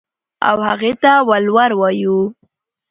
او هغې ته ولور وايو.